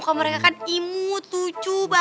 muka mereka kan imut cucu baik